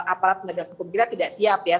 aparat penegak hukum kita tidak siap ya